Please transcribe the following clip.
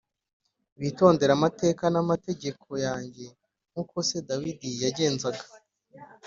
bitondera amateka n’amategeko yanjye nk’uko se Dawidi yagenzaga